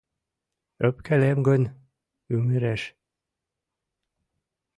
Öпкелем гын – ÿмыреш.